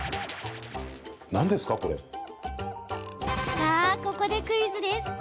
さあ、ここでクイズです。